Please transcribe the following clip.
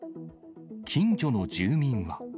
近所の住民は。